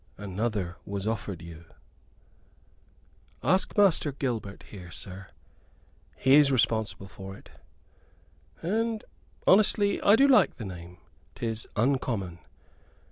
Another was offered you." "Ask Master Gilbert here, sir he is responsible for't. And, honestly, I do like the name 'tis uncommon.